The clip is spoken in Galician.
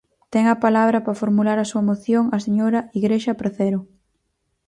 Ten a palabra, para formular a súa moción, a señora Igrexa Pracero.